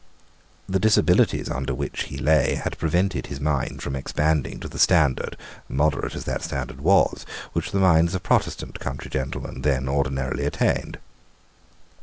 The disabilities under which he lay had prevented his mind from expanding to the standard, moderate as that standard was, which the minds of Protestant country gentlemen then ordinarily attained.